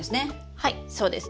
はいそうです。